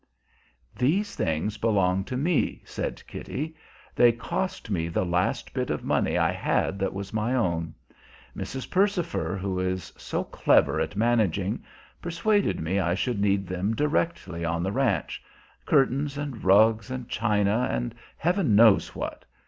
"These things belong to me," said Kitty. "They cost me the last bit of money I had that was my own. Mrs. Percifer, who is so clever at managing, persuaded me I should need them directly on the ranch curtains and rugs and china, and heaven knows what!